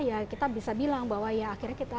ya kita bisa bilang bahwa ya akhirnya kita